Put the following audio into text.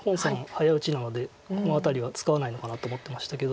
早打ちなのでこの辺りは使わないのかなと思ってましたけど。